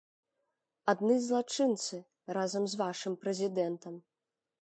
Адны злачынцы, разам з вашым прэзідэнтам!